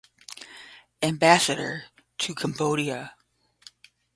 Ambassador to Cambodia.